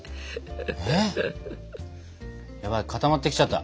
えっやばい固まってきちゃった。